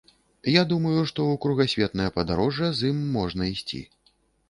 Я думаю, што ў кругасветнае падарожжа з ім можна ісці.